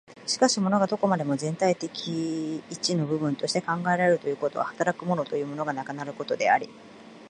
しかし物がどこまでも全体的一の部分として考えられるということは、働く物というものがなくなることであり、